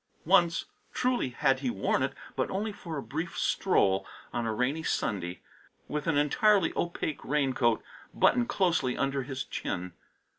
Once, truly, had he worn it, but only for a brief stroll on a rainy Sunday, with an entirely opaque raincoat buttoned closely under his chin.